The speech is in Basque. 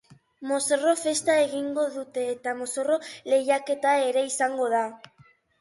Mozorro-festa egingo dute eta mozorro-lehiaketa ere izango da.